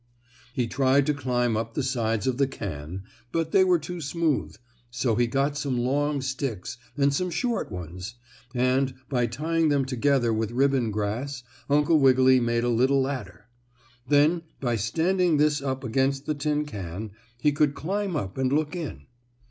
He tried to climb up the sides of the can, but they were too smooth, so he got some long sticks and some short ones, and, by tying them together with ribbon grass, Uncle Wiggily made a little ladder. Then, by standing this up against the tin can, he could climb up and look in.